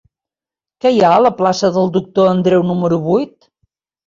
Què hi ha a la plaça del Doctor Andreu número vuit?